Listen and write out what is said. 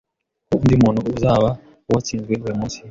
ko undi muntu uzaba uwatsinzwe uyumunsi,